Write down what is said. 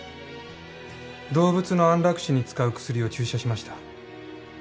動物の安楽死に使う薬を注射しました。